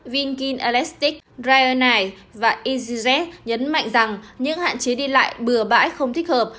vinkin elastic dryer night và easyjet nhấn mạnh rằng những hạn chế đi lại bừa bãi không thích hợp